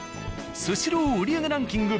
「スシロー」売り上げランキング